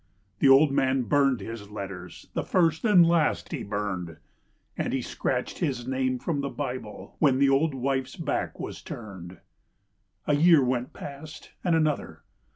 The old man burned his letters, the first and last he burned, And he scratched his name from the Bible when the old wife's back was turned. A year went past and another.